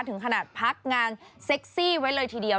ถึงขนาดพักงานเซ็กซี่ไว้เลยทีเดียว